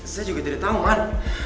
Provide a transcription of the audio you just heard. saya juga tidak tau man